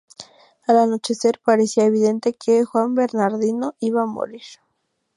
Al anochecer, parecía evidente que Juan Bernardino iba a morir.